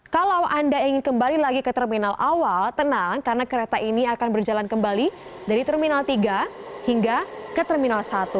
kalau anda ingin kembali lagi ke terminal awal tenang karena kereta ini akan berjalan kembali dari terminal tiga hingga ke terminal satu